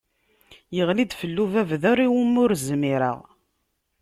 Yeɣli-d fell-i ubabder i wumi ur zmireɣ.